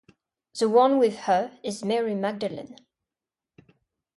The one with her is Mary Magdalen.